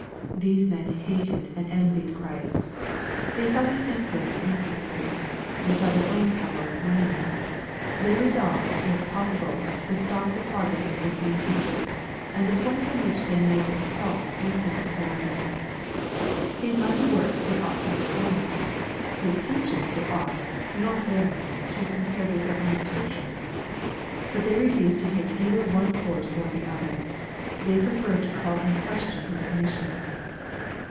These men hated and envied Christ. They saw His influence increasing. They saw their own power waning. They resolved, if possible, to stop the progress of this new teacher ; and the point on which they made their assault was His authority. His mighty works they ought to have examined. His teaching they ought, in all fairness, to have compared with their own Scriptures. But they refused to take either one course or the other. They preferred to call in question His .commission.